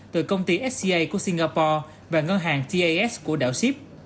từ công ty sca của singapore và ngân hàng tas của đảo sip